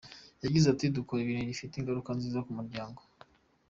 Yagize ati “Dukora ikintu gifite ingaruka nziza ku muryango.